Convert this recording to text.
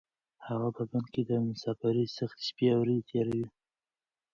هغه په بن کې د مسافرۍ سختې شپې او ورځې تېروي.